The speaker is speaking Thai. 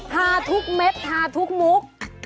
ฮาทุกเม็ดฮาทุกมุก